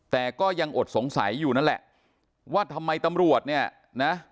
แต่ก็ยังอดสงสัยอยู่นั่นแหละว่าทำไมตำรวจเนี่ยนะ